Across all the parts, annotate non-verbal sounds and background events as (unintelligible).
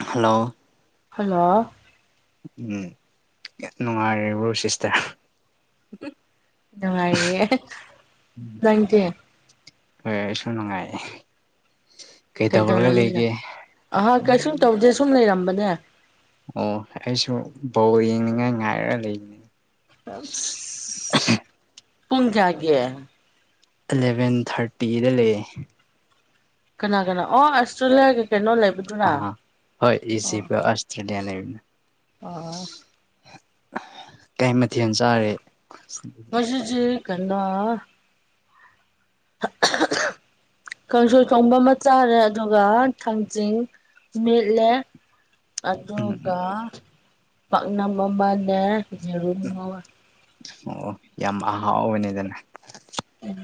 hello hello ꯎꯝ ꯅꯨꯡꯉꯥꯏꯔꯤꯕ꯭ꯔꯣ sister ꯅꯨꯡꯉꯥꯏꯔꯤ ꯅꯪꯗꯤ (unintelligible) ꯁꯨꯅꯨꯉꯥꯏ ꯀꯩꯗꯧꯔꯝꯃꯤꯅ ꯑꯍꯥꯛ ꯀꯩꯁꯨꯝ ꯇꯧꯗꯦ ꯁꯨꯝ ꯂꯩꯔꯝꯕꯅꯦ ꯑꯣ ꯑꯩꯁꯨ ꯕꯧꯜ ꯌꯦꯡꯅꯤꯡꯉꯥꯏ ꯉꯥꯏꯔꯒ ꯂꯩꯅꯤ ꯄꯨꯡ ꯀꯌꯥꯒꯤ ꯑꯦꯂꯕꯦꯟ ꯊꯥꯔꯇꯤꯗ ꯂꯩ ꯀꯅꯥ ꯀꯅꯥ ꯑꯣ ꯑꯁꯇ꯭ꯔꯦꯂꯤꯌꯥꯒꯤ ꯀꯩꯅꯣ ꯂꯩꯕꯗꯨꯅ ꯑꯣ ꯀꯗꯤꯌꯥ ꯂꯩꯅꯤ ꯑꯣ ꯀꯩ ꯃꯊꯦꯜ ꯆꯥꯔꯦ ꯍꯧꯁꯤꯖꯤ ꯀꯅꯥ (inaudible) ꯀꯥꯡꯁꯣꯏ ꯆꯣꯡꯕ ꯑꯃ ꯆꯥꯔꯦ ꯑꯗꯨꯒ ꯊꯥꯡꯖꯤꯡ ꯃꯤꯂ ꯎꯝ ꯑꯗꯨꯒ ꯄꯥꯛꯅꯝ ꯑꯃꯅ ꯌꯦꯔꯨꯝꯨ ꯑꯣ ꯌꯥꯝ ꯑꯍꯥꯎꯕꯅꯦꯗꯅ ꯎꯝ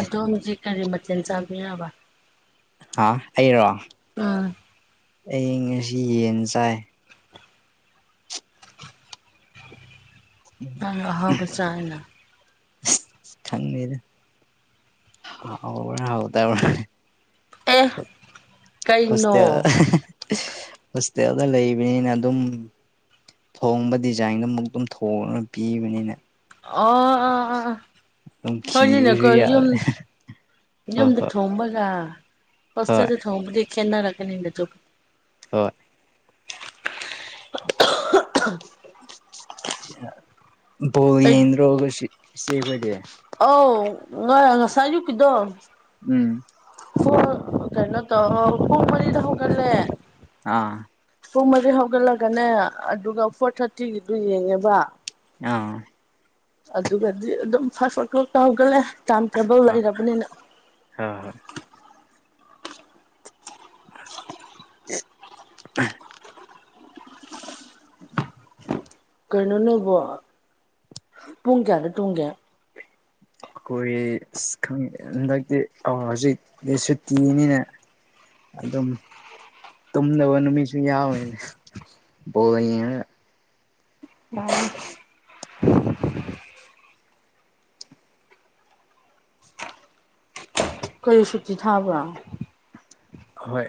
ꯑꯗꯣꯝꯖꯤ ꯀꯔꯤ ꯃꯆꯦꯜ ꯆꯥꯕꯤꯔꯕ ꯍꯥ ꯑꯩꯔꯣ ꯎꯝ ꯑꯩ ꯉꯁꯤ ꯌꯦꯟ ꯆꯥꯏ ꯑ ꯑꯍꯥꯎꯒ ꯆꯥꯏꯅ ꯈꯪꯗ ꯍꯕ ꯍꯗ ꯑꯦ ꯍꯣꯁꯇꯦꯜ ꯀꯩꯅꯣ ꯍꯣꯁꯇꯦꯜꯗ ꯂꯩꯕꯅꯤꯅ ꯑꯗꯨꯝ ꯊꯣꯡꯕ ꯗꯤꯖꯥꯏꯟꯗꯨꯣꯃꯨꯛ ꯑꯗꯨꯝ ꯊꯣꯡꯉꯒ ꯄꯤꯕꯅꯤꯅ ꯑ ꯑꯥ ꯑꯥ ꯑꯗꯨꯝ ꯈꯤꯕꯁꯨ ꯐꯣꯏꯅꯤꯅꯦꯀꯣ ꯌꯥꯎꯋꯦ ꯌꯨꯝ ꯍꯣꯏ ꯌꯗ ꯍꯣꯏ ꯊꯒ ꯍꯣꯏ ꯍꯁꯗꯤ ꯊꯗꯤꯅꯔꯀꯅꯤꯗ ꯊ ꯍꯣꯏ ꯐꯣ ꯌꯦꯟ꯭ꯔꯣꯒ ꯁꯤꯕꯖꯦ ꯑꯧ ꯉ ꯉꯁꯥꯏ ꯌꯨꯀꯤꯗꯣ ꯎꯝ ꯍ ꯀꯩꯅꯣ ꯇꯣ ꯍ ꯃꯔꯤꯗ ꯍ ꯀꯦ ꯑꯥ ꯄꯨꯡ ꯃꯔꯤ ꯍꯧꯒꯠꯂꯒꯅꯦ ꯑꯗꯨꯒ ꯐꯣꯔ ꯊꯥꯔꯇꯤꯒꯤꯗꯨ ꯌꯦꯡꯉꯦꯕ ꯑꯥ ꯑꯗꯨꯒꯗꯤ ꯑꯗꯨꯝ ꯐꯥꯏꯚ ꯑꯣ ꯀ꯭ꯂꯣꯛꯇ ꯍꯧꯒꯠꯂꯦ ꯇꯥꯏꯝ ꯇꯦꯕꯜ ꯂꯩꯔꯕꯅꯤꯅ ꯍ ꯍꯣꯏ (inaudible) ꯀꯩꯅꯣ ꯅꯕꯣ ꯄꯨꯡ ꯀꯌꯥꯗ ꯇꯨꯡꯒꯦ ꯑꯩꯈꯣꯏ ꯈꯦ ꯍꯟꯗꯛꯇꯤ ꯑ ꯍꯧꯖꯤꯛꯇꯤ ꯁꯨꯇꯤꯅꯤꯅꯦ ꯑꯗꯨꯝ ꯇꯨꯝꯗꯕ ꯅꯨꯃꯤꯠꯁꯨ ꯌꯥꯎꯋꯦꯅꯦ ꯎꯝ ꯀꯔꯤ ꯁꯨꯇꯤ ꯊꯥꯕ꯭ꯔꯥ ꯑꯍꯣꯏ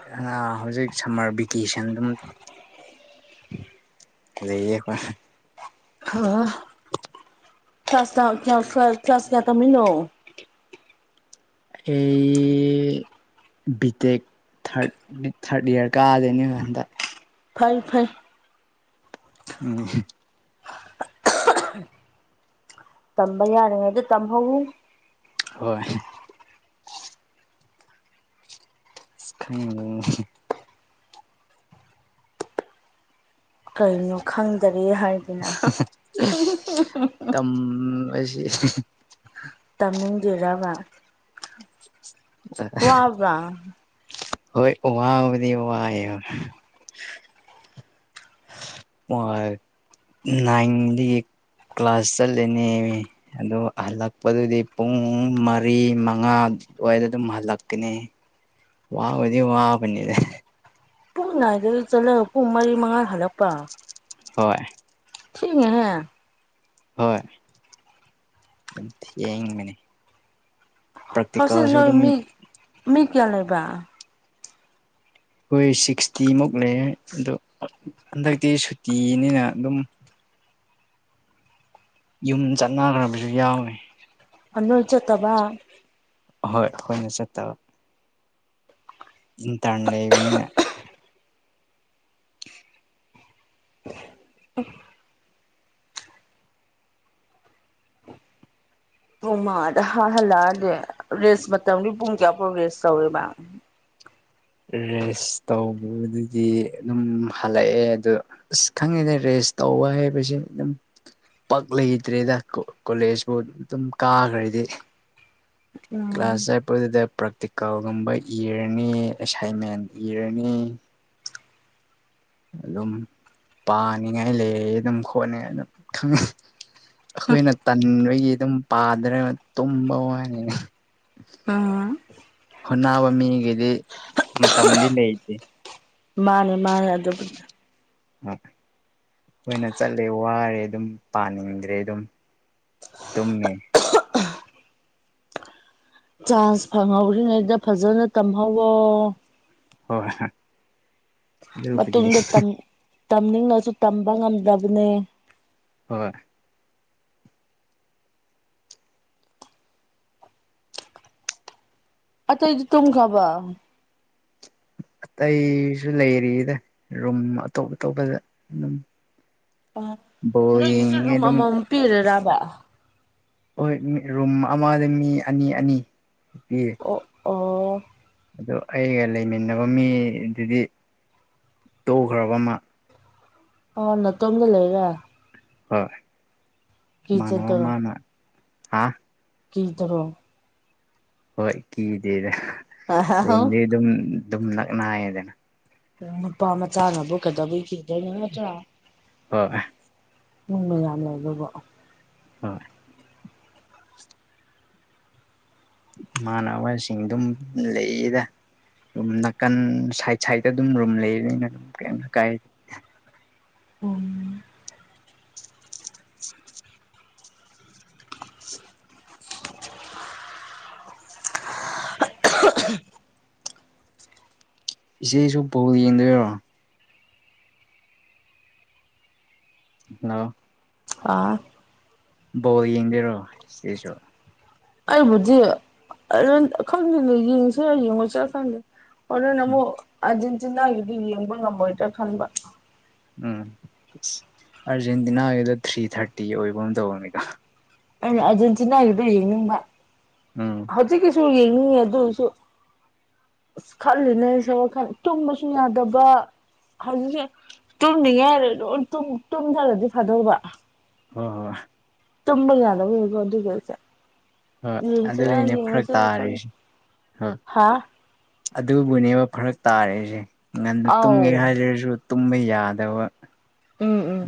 ꯍꯧꯖꯤꯛ ꯁꯝꯃꯔ ꯚꯦꯀꯦꯁꯟ ꯑꯗꯨꯝ ꯂꯩꯌꯦꯀꯣꯏ ꯑ ꯁꯁ ꯆꯁꯌꯥ ꯇꯃꯤ ꯂꯣ ꯑꯩ ꯕꯤ ꯇꯦꯛ ꯊꯥꯔꯠ ꯊꯥꯔꯠ ꯏꯌꯥꯔ ꯀꯥꯗꯣꯏꯅꯦ ꯍꯟꯗꯛ ꯐꯩ ꯐꯩ ꯎꯝ ꯇꯝꯕ ꯌꯥꯔꯤꯉꯩ ꯑꯗ ꯇꯝꯍꯧ ꯍꯣꯏ ꯎꯝ ꯀꯩꯅꯣ ꯈꯪꯗꯔꯤꯦ ꯍꯥꯏꯗꯅ ꯎꯝ (inaudible) ꯇꯃꯤꯒꯤꯔꯕ ꯋꯥ ꯋꯥ ꯍꯣꯏ ꯋꯥꯕꯗꯤ ꯋꯥ ꯌꯥ ꯅꯥꯏꯟꯗꯒꯤ ꯀ꯭ꯂꯥꯁ ꯆꯠꯂꯦꯅꯦ ꯑꯗꯣ ꯍꯜꯂꯛꯄꯗꯨꯗꯤ ꯄꯨꯡ ꯃꯔꯤ ꯃꯉꯥ ꯑꯗꯨꯋꯥꯏꯗ ꯑꯗꯨꯝ ꯍꯜꯂꯛꯀꯅꯤ ꯋꯥꯗꯤ ꯋꯥ ꯄꯅꯤꯗꯦ ꯄꯨꯡ ꯏꯗꯗꯒꯤ ꯆꯠꯂ ꯄꯨꯡ ꯃꯔꯤ ꯃꯉꯥꯜ ꯍꯜꯂꯛꯄ ꯍꯣꯏ ꯊ ꯍꯦ ꯍꯣꯏ ꯑꯗꯨꯝ ꯌꯦꯡꯕꯅꯦ ꯍꯁ ꯅꯣꯏ ꯃꯤ ꯃꯤ ꯀꯌꯥ ꯂꯩꯕ ꯍꯣꯏ ꯁꯤꯛꯁꯇꯤꯃꯨꯛ ꯂꯩ ꯑꯗꯣ ꯍꯟꯗꯛꯇꯤ ꯁꯨꯇꯤꯅꯤꯅ ꯑꯗꯨꯝ ꯌꯨꯝ ꯆꯠꯅꯈ꯭ꯔꯕꯁꯨ ꯌꯥꯎꯏꯤ ꯑꯅꯣꯜ ꯆꯠꯇꯕ ꯑꯍꯣꯏ ꯑꯩꯈꯣꯏꯅ ꯆꯠꯇꯕ ꯏ ꯇꯥꯥꯟꯂꯦꯅꯤꯅ ꯄꯨꯡ ꯃꯥꯗ ꯍꯜꯂꯛꯑꯒꯦ ꯔꯦꯁ ꯃꯇꯝꯒꯤ ꯄꯨꯡ ꯀꯌꯥ ꯄꯥꯎ ꯔꯦꯁ ꯇꯧꯋꯦꯕ ꯔꯦꯁ ꯇꯧꯕꯗꯨꯗꯤ ꯑꯗꯨꯝ ꯍꯜꯂꯛꯑꯦ ꯑꯗꯣ ꯑꯁ ꯈꯪꯉꯤꯗ ꯔꯦꯁ ꯇꯧꯕ ꯍꯥꯏꯕꯁꯦ ꯑꯗꯨꯝ ꯄꯛ ꯂꯩꯇ꯭ꯔꯦꯗ ꯀꯣꯂꯦꯖꯄꯨ ꯑꯗꯨꯝ ꯀꯥꯈ꯭ꯔꯗꯤ ꯀ꯭ꯂꯥꯁ ꯎꯝ ꯆꯠꯄꯗꯨꯗ ꯄ꯭ꯔꯥꯛꯇꯤꯀꯜꯒꯨꯝꯕ ꯏꯔꯅꯤ ꯑꯦꯁꯥꯏꯟꯃꯦꯟ ꯏꯔꯅꯤ ꯑꯗꯨꯝ ꯄꯥꯅꯤꯡꯉꯥꯏ ꯂꯩ ꯑꯗꯨꯝ ꯈꯣꯠꯅ ꯑꯗꯨꯝ ꯈꯪꯉꯤ ꯑꯩꯈꯣꯏꯅ ꯇꯟꯕꯒꯤ ꯑꯗꯨꯝ ꯄꯥꯗ꯭ꯔꯒ ꯇꯨꯝꯕ ꯋꯥꯅꯤ ꯑꯥ ꯍ ꯅꯕ ꯃꯤꯒꯗꯤ ꯃꯝꯗꯤ ꯂꯩ ꯑꯗꯤ ꯃꯥꯅꯦ ꯃꯥꯅꯦ ꯑꯗꯨꯕꯨ ꯑ ꯑꯩꯈꯣꯏꯅ ꯆꯠꯂꯦ ꯋꯥꯔꯦ ꯑꯗꯨꯝ ꯄꯥꯅꯤꯡꯗ꯭ꯔꯦ ꯑꯗꯨꯝ ꯇꯨꯝꯃꯦ ꯆꯥꯟꯁ ꯐꯪꯍꯧꯔꯤꯉꯩꯗ ꯐꯖꯅ ꯇꯝꯍꯧꯋꯣ ꯍꯣꯏꯣꯏ ꯃꯇꯨꯡꯗ ꯇꯝꯅꯤꯡꯅꯁꯨ ꯇꯝꯕ ꯉꯝꯗꯕꯅꯦ ꯍꯣꯏ ꯑꯇꯩꯗꯤ ꯇꯨꯡꯈ꯭ꯔꯕ ꯑꯩꯇꯩꯁꯨ ꯂꯩꯔꯤꯗ ꯔꯨꯝ ꯑꯇꯣꯞ ꯑꯇꯣꯞꯄꯗ ꯑꯗꯨꯝ ꯑ ꯕꯣꯜ ꯅꯣꯏꯒꯤꯁꯨ ꯌꯦꯡꯅꯤꯡꯉꯦ ꯔꯨꯝ ꯑꯗꯨꯝ ꯑꯃꯃꯝ ꯄꯤꯔꯔꯕ ꯍꯣꯏ ꯃꯤ ꯔꯨꯝ ꯑꯃꯗ ꯃꯤ ꯑꯅꯤ ꯑꯅꯤ ꯑꯣ ꯑꯣ ꯑꯗ ꯑꯩꯒ ꯂꯩꯃꯤꯟꯅꯕ ꯃꯤꯗꯨꯗꯤ ꯇꯧꯈ꯭ꯔꯕ ꯑꯃ ꯑꯣ ꯅꯠꯇꯣꯝꯗ ꯂꯩꯒ ꯍꯣꯏ ꯃꯅꯅꯕ ꯀꯤꯖꯗꯔꯣ ꯃꯥꯅ ꯍꯥ ꯀ ꯏꯗꯔꯣ ꯍꯣꯏ ꯀꯤꯗꯦꯗ ꯔꯨꯝꯝꯗꯤ ꯑꯗꯨꯝ ꯑꯗꯨꯝ ꯅꯛꯅꯏꯌꯦꯗꯅ ꯅꯨꯄꯥ ꯃꯆꯥꯅꯕꯨꯛ ꯀꯗꯕꯨ ꯀꯤꯗꯣꯏꯅꯤ ꯃꯆꯥ ꯑꯣ ꯅꯨꯡ ꯃ ꯌꯥꯝ ꯂꯩ ꯑꯗꯨ ꯍꯥ ꯏꯃꯥꯟꯅꯕꯁꯤꯡ ꯑꯗꯨꯝ ꯂꯩꯌꯦꯗ ꯑꯗꯨ ꯅꯥꯀꯟ ꯁꯥꯏꯠ ꯁꯥꯏꯗꯠꯇ ꯑꯗꯨꯝ ꯔꯨꯝ ꯂꯩꯕꯅꯤꯅ ꯑꯗꯨꯝ ꯀꯔꯤꯝ ꯀꯥꯏ ꯎꯝ (inaudible) (unintelligible) ꯏꯆꯦꯁꯨ ꯕꯣꯜ ꯌꯦꯡꯗꯣꯏꯔꯣ ꯅꯣ ꯑꯥ ꯕꯣꯜ ꯌꯦꯡꯗꯣꯏꯔꯣ ꯏꯆꯦꯁꯨ ꯑꯩꯕꯨꯗꯤ ꯑꯔꯟ ꯈꯪꯗꯦꯅꯦ ꯌꯦꯡꯁꯤꯔ ꯌꯦꯡꯉꯣꯏꯁꯤꯔ ꯈꯪꯗꯦ ꯍꯣꯔꯦꯟ ꯎꯝ ꯑꯃꯨꯛ ꯑꯥꯔꯖꯦꯟꯇꯤꯅꯥꯒꯤꯗꯤ ꯌꯦꯡꯕ ꯉꯝꯃꯣꯏꯗ꯭ꯔꯥ ꯈꯟꯕ ꯎꯝ ꯑꯥꯔꯖꯦꯟꯇꯤꯅꯥꯒꯤꯗꯣ ꯊ꯭ꯔꯤ ꯊꯥꯔꯇꯤ ꯑꯣꯏꯕꯒꯨꯝ ꯇꯧꯕꯅꯤꯗ ꯑꯩꯅ ꯑꯥꯔꯖꯦꯟꯇꯤꯅꯥꯒꯤꯗꯣ ꯌꯦꯡꯅꯤꯡꯕ ꯎꯝ ꯍꯧꯖꯤꯛꯀꯤꯁꯨ ꯌꯦꯡꯅꯤꯡꯉꯤ ꯑꯗꯨꯑꯣꯏꯁꯨ ꯑꯁ ꯈꯜꯂꯤꯅꯦ ꯑꯩꯁꯨ ꯋꯥꯈꯜ ꯇꯨꯝꯕꯁꯨ ꯌꯥꯗꯕ ꯍꯧꯖꯤꯛꯁꯦ ꯇꯨꯝꯗ꯭ꯔꯤꯌꯥꯔꯥ ꯗꯨꯝ ꯇꯨꯝ ꯇꯨꯝꯖꯜꯂꯗꯤ ꯐꯥꯗꯧꯕ ꯍꯣꯏ ꯍꯣꯏ ꯇꯨꯝꯕ ꯍꯥꯗꯕꯩ ꯃꯤꯈꯩꯁꯦ ꯍꯣꯏ ꯌꯦꯡꯁꯤꯔꯥ ꯑꯗꯨꯒꯤꯅꯦ ꯐꯔꯛ ꯌꯦꯡꯉꯣꯏꯁꯤꯔꯥ ꯈꯪꯗꯦ ꯇꯥꯔꯤꯁꯦ ꯍꯣꯏ ꯍꯥꯥ ꯑꯗꯨꯕꯨꯅꯦꯕ ꯐꯔꯛ ꯇꯥꯔꯦꯁꯦ ꯉꯟꯅ ꯇꯨꯝꯒꯦ ꯑꯥꯎ ꯍꯥꯏꯔꯁꯨ ꯇꯨꯝꯕ ꯌꯥꯗꯕ ꯎꯝ ꯎꯝ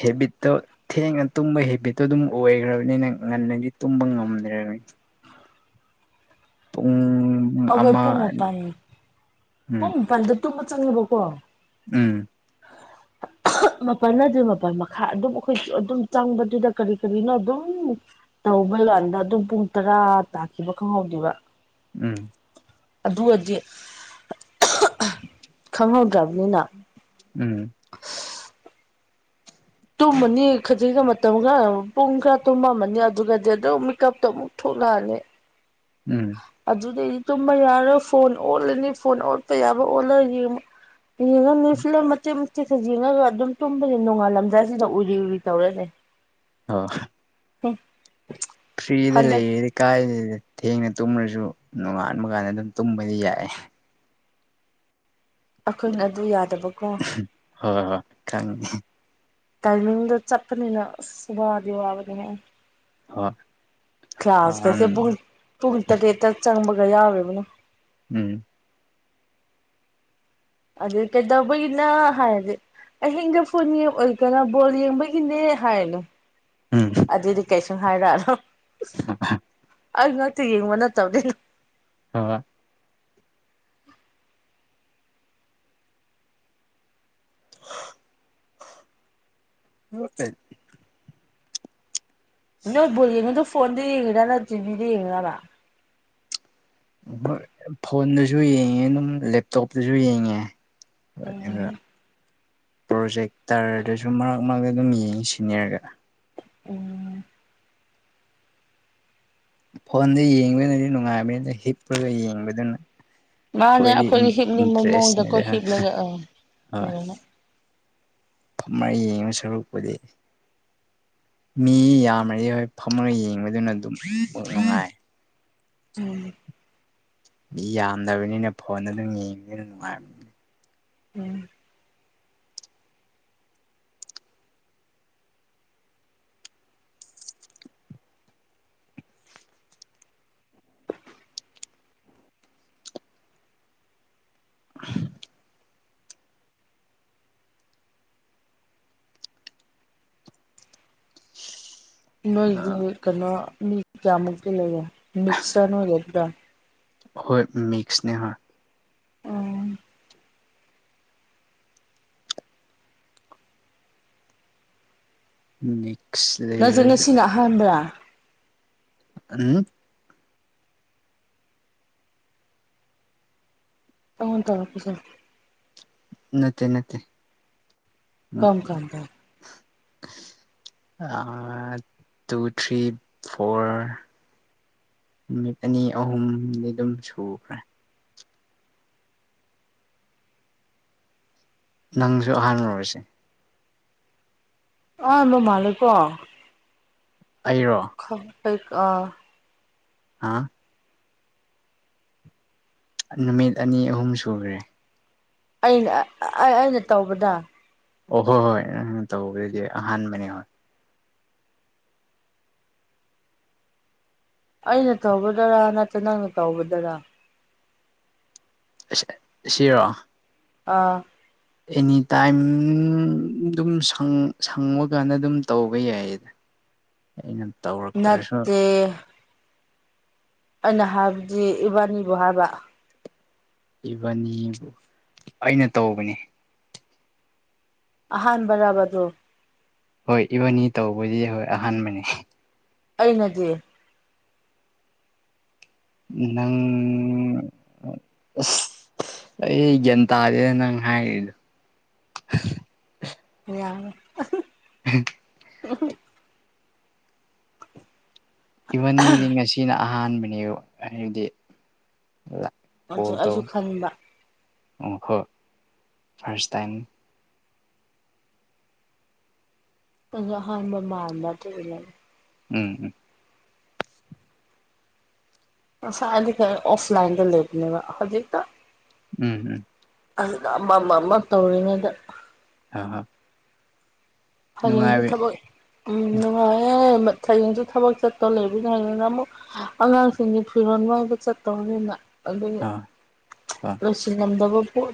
ꯍꯦꯕꯤꯠꯇꯣ ꯊꯦꯡꯅ ꯇꯨꯝꯕꯩ ꯍꯦꯕꯤꯠꯇꯣ ꯑꯗꯨꯝ ꯑꯣꯏꯒ꯭ꯔꯕꯅꯤꯅ ꯉꯟꯅꯗꯤ ꯇꯨꯝꯕ ꯉꯝꯗꯔꯦꯕꯥ ꯄꯨꯡ ꯑꯩꯈꯣꯏ ꯑꯃ ꯄꯨꯡ ꯃꯄꯜ ꯄꯨꯡ ꯎꯝ ꯃꯄꯜꯗ ꯇꯨꯝꯕ ꯆꯪꯉꯥꯕꯀꯣ ꯎꯝ ꯃꯥꯄꯜ ꯅꯠꯇꯦ ꯃꯥꯄꯜ ꯃꯈꯥꯏ ꯑꯗꯨꯝ ꯑꯩꯈꯣꯏꯁꯨ ꯑꯗꯨꯝ ꯆꯪꯕꯗꯨꯗ ꯀꯔꯤ ꯀꯔꯤꯅꯣ ꯑꯗꯨꯝ ꯇꯧꯕꯩ ꯋꯥꯅꯤꯗ ꯑꯗꯨꯝ ꯄꯨꯡ ꯇꯔꯥ ꯇꯥꯈꯤꯕ ꯈꯪꯍꯧꯗꯦꯕ ꯎꯝ ꯑꯗꯨꯒꯗꯤ ꯈꯪꯍꯧꯗ꯭ꯔꯕꯅꯤꯅ ꯎꯝ (unintelligible) ꯇꯨꯝꯃꯅꯤ ꯈꯖꯤꯛꯒ ꯃꯇꯝ ꯈꯔ ꯄꯨꯡ ꯈꯔ ꯇꯨꯝꯃꯝꯃꯅꯤ ꯑꯗꯨꯒꯗꯤ ꯑꯗꯨꯝ ꯃꯤꯀꯞꯇꯣ ꯑꯃꯨꯛ ꯊꯣꯛꯂꯛꯑꯅꯤ ꯎꯝ ꯑꯗꯨꯗꯩꯗꯤ ꯇꯨꯝꯕ ꯌꯥꯔꯣꯏ ꯐꯣꯟ ꯑꯣꯠꯂꯅꯤ ꯐꯣꯟ ꯑꯣꯠꯄ ꯌꯥꯕ ꯑꯣꯜꯂ ꯌꯦꯡꯕ ꯌꯦꯡꯉꯅꯤ ꯐꯤꯂꯝ ꯃꯇꯦꯛ ꯃꯇꯦꯛ ꯌꯦꯡꯉꯒ ꯑꯗꯨꯝ ꯇꯨꯝꯕꯗ ꯅꯣꯡꯉꯥꯜꯂꯝꯗꯥꯥꯏꯁꯤꯗ ꯎꯔꯤ ꯎꯔꯤ ꯇꯧꯔꯅꯦ ꯑꯣ ꯍꯨꯝ ꯊ꯭ꯔꯤꯗ ꯍꯟꯗꯛ ꯂꯩꯌꯦ ꯀꯥꯏꯗꯦꯗ ꯊꯦꯡꯅ ꯇꯨꯝꯃꯁꯨ ꯅꯣꯡꯉꯥꯟꯕ ꯀꯥꯟꯗ ꯑꯗꯨꯝ ꯇꯨꯝꯕꯗꯤ ꯌꯥꯏ ꯑꯈꯣꯏꯅ ꯑꯗꯨ ꯌꯥꯗꯕꯀꯣ ꯍꯣꯏ ꯍꯣꯏ ꯈꯪꯉꯦ ꯇꯥꯏꯃꯤꯡꯗ ꯆꯠꯄꯅꯤꯅ ꯑꯁ ꯋꯥꯗꯤ ꯋꯥꯕꯅꯤꯍꯦ ꯍꯣꯏ ꯀ꯭ꯂꯥꯁ ꯀꯥꯁꯦ ꯄꯨꯨꯡ ꯋꯥꯝ ꯄꯨꯡ ꯇꯥꯔꯦꯠꯇ ꯆꯪꯕꯒ ꯌꯥꯎꯔꯤꯕꯅꯦ ꯎꯝ ꯑꯗꯩ ꯀꯩꯗꯧꯕꯒꯤꯅꯣ ꯍꯥꯏꯔꯗꯤ ꯑꯍꯤꯡꯗ ꯐꯣꯟ ꯌꯦꯡ ꯑꯣꯏ ꯀꯩꯅꯣ ꯕꯣꯜ ꯌꯦꯡꯕꯒꯤꯅꯦ ꯍꯥꯏꯔꯤꯅꯦ ꯗꯨꯝ ꯎꯝ ꯑꯗꯨꯗꯤ ꯀꯩꯁꯨ ꯍꯥꯏꯔꯛꯑꯔꯣꯏ ꯑꯩ ꯉꯥꯛꯇ ꯌꯦꯡꯕ ꯅꯠꯇꯕꯅꯤ ꯍꯣꯏ (unintelligible) ꯅꯣꯏ ꯕꯣꯜ ꯌꯦꯡꯉꯤꯗꯣ ꯐꯣꯟꯗ ꯌꯦꯡꯉꯤꯔꯅ ꯇꯤꯚꯤꯗ ꯌꯦꯡꯉꯤꯔꯕ ꯒꯣꯏ ꯐꯣꯟꯗꯁꯨ ꯌꯦꯡꯉꯦ ꯑꯗꯨꯝ ꯂꯦꯞꯇꯣꯞꯇꯁꯨ ꯌꯦꯡꯉꯦ ꯎꯝ (unintelligible) ꯄ꯭ꯔꯣꯖꯦꯛꯇꯔꯗꯁꯨ ꯃꯔꯛ ꯃꯔꯛꯇ ꯑꯗꯨꯝ ꯌꯦꯡꯉꯤ ꯁꯤꯅꯤꯌꯔꯒ ꯎꯝ ꯐꯣꯟꯗ ꯌꯦꯡꯕꯗꯨꯅꯗꯤ ꯅꯨꯡꯉꯥꯏꯕꯅꯤꯅ ꯍꯤꯞꯄꯨꯔꯒ ꯌꯦꯡꯕꯗꯨꯅ ꯃꯥꯅꯦ ꯈꯣꯏꯗꯤ ꯑꯩꯈꯣꯏꯒꯤ ꯍꯤꯞꯅꯤꯡꯕ ꯃꯑꯣꯡꯗꯀꯣ ꯏꯟꯇꯔꯦꯁꯅꯗ ꯍꯤꯞꯂꯒ ꯑꯥ ꯍꯣꯏ ꯌꯦꯡꯉꯣ ꯑꯃ ꯌꯦꯡꯉꯕ ꯁꯔꯨꯛꯄꯨꯗꯤ ꯃꯤ ꯌꯥꯝꯃ ꯍꯣꯏ ꯐꯝꯃꯒ ꯌꯦꯡꯕꯗꯨꯅ ꯑꯗꯨꯝ ꯅꯨꯡꯉꯥꯏ ꯎꯝ ꯌꯥꯝꯗ꯭ꯔꯕꯅꯤꯅ ꯐꯣꯟ ꯑꯗꯨꯝ ꯌꯦꯡꯕꯅꯤꯅ ꯅꯨꯡꯉꯥꯏꯕꯅꯤ ꯎꯝ (inaudible) ꯅꯣꯏꯗꯤ ꯀꯩꯅꯣ ꯃꯤ ꯀꯌꯥꯃꯨꯛꯇꯤ ꯂꯩꯔꯦ ꯃꯤꯛꯁꯇ ꯅꯣꯏꯒꯦ ꯑꯗꯨꯗ ꯍꯣꯏ ꯃꯤꯛꯁꯅꯦ ꯍꯣꯏ ꯎꯝ ꯅꯪꯖꯅ ꯁꯤꯅꯍꯥꯟꯕꯕ꯭ꯔꯥ ꯎꯝ ꯇꯟ ꯇ ꯄꯨꯁ ꯅ ꯅ ꯀꯝ ꯀ ꯀ (inaudible) ꯑ ꯇꯨ ꯊ꯭ꯔꯤ ꯐꯣꯔ ꯅꯨꯃꯤꯠ ꯑꯅꯤ ꯑꯍꯨꯝꯗꯤ ꯑꯗꯨꯝ ꯁꯨꯈ꯭ꯔꯦ ꯅꯪꯁꯨ ꯑꯍꯥꯟꯕ ꯂꯨꯔꯁꯦ ꯑ ꯅꯣ ꯃꯥꯂ ꯀꯣ ꯑꯩꯔꯣ ꯑ ꯍꯥꯥ ꯅꯨꯃꯤꯠ ꯑꯅꯤ ꯑꯍꯨꯝ ꯁꯨꯈ꯭ꯔꯦ ꯑꯩꯅ ꯑꯩꯅ ꯇꯧꯕꯗ ꯑꯣ ꯍꯣꯏ ꯍꯣꯏ ꯇꯧꯦꯁꯦ ꯑꯍꯥꯟꯕꯅꯦ ꯍꯣꯏ ꯑꯩꯅ ꯇꯒꯗꯔꯥ ꯅꯠꯇ꯭ꯔ ꯅꯪꯅ ꯇꯧꯕꯗꯔꯥ ꯁꯤꯔꯣ ꯑꯥ ꯑꯦꯅꯤ ꯇꯥꯏꯝ ꯑꯗꯨꯝ ꯁꯪꯉꯀꯥꯟꯗ ꯑꯗꯨꯝ ꯇꯧꯕ ꯌꯥꯏ ꯑꯩꯅ ꯇꯧꯔꯛꯇ꯭ꯔꯁꯨ ꯍ ꯑꯩꯅ ꯍꯥꯏꯕꯗꯤ ꯏꯕꯥꯅꯤꯕꯨ ꯍꯥꯏꯕ ꯏꯚꯅꯤꯕꯨ ꯑꯩꯅ ꯇꯧꯕꯅꯦ ꯑꯍꯥꯟꯥꯟꯕꯔꯕꯗꯨꯣ ꯍꯣꯏ ꯏꯚꯟꯅꯤ ꯇꯧꯕꯗꯤ ꯍꯣꯏ ꯑꯍꯥꯟꯕꯅꯦ ꯑꯩꯅꯗꯤ ꯅꯪ ꯑꯩ ꯌꯦꯟꯇꯑꯗꯦ ꯅꯪ ꯍꯥꯏ ꯌꯥ ꯌꯥ ꯎ ꯎ ꯏꯚꯟꯅꯤꯗꯤ ꯉꯁꯤꯅ ꯑꯍꯥꯟꯕꯅꯦ ꯍꯥꯏꯕꯗꯤ ꯀꯣꯜ ꯑꯗꯨ ꯇꯧ ꯑꯩꯁꯨ ꯈꯟꯕ ꯃꯈꯈ ꯐꯥꯔꯁ ꯇꯥꯏꯝ ꯑ ꯑꯍꯥꯟꯕ ꯃꯥꯟꯕ ꯑꯗꯨ ꯂꯩꯦ ꯎꯝ ꯎꯝ ꯉꯁꯥꯏꯗꯤ ꯈꯔ ꯑꯣꯐꯂꯥꯏꯟꯗ ꯂꯩꯕꯅꯦꯕ ꯍꯧꯖꯤꯛꯇ ꯎꯝ ꯎꯝ ꯑꯗꯨꯗ ꯑꯃ ꯑꯃ ꯑꯃ ꯇꯧꯔꯤꯉꯩꯗ ꯍꯥ ꯍꯥ ꯍꯌꯦꯡꯁꯨ ꯊꯕꯛ ꯎꯝ ꯅꯨꯡꯉꯥꯏꯑꯦ ꯍꯌꯦꯡꯁꯨ ꯊꯕꯛ ꯆꯠꯇꯣ ꯂꯩꯕꯅꯤ ꯍꯌꯦꯡꯅ ꯑꯃꯨꯛ ꯑꯉꯥꯡꯁꯤꯡꯒꯤ ꯐꯤꯔꯣꯟ ꯋꯥꯏꯕ ꯆꯠꯇꯧꯕꯅꯤꯅ ꯑꯗꯨ ꯑꯥ ꯍꯣꯏ ꯂꯣꯏꯁꯤꯜꯂꯝꯗꯕ ꯄ‌ꯣꯠ